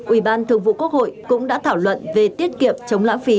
ubth cũng đã thảo luận về tiết kiệm chống lãng phí